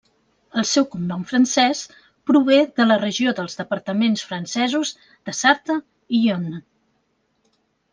El seu cognom francès prové de la regió dels departaments francesos de Sarthe i Yonne.